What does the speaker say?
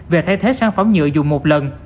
về thay thế sản phẩm nhựa dùng một lần